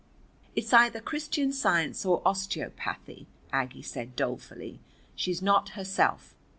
"It's either Christian Science or osteopathy," Aggie said dolefully. "She's not herself.